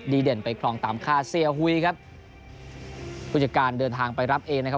เด่นไปครองตามค่าเสียหุยครับผู้จัดการเดินทางไปรับเองนะครับ